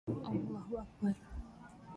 Raman lasers are optically pumped.